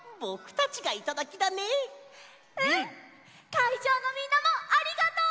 かいじょうのみんなもありがとう！